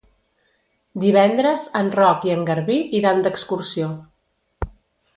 Divendres en Roc i en Garbí iran d'excursió.